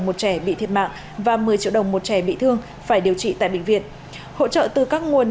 một trẻ bị thiệt mạng và một mươi triệu đồng một trẻ bị thương phải điều trị tại bệnh viện hỗ trợ từ các nguồn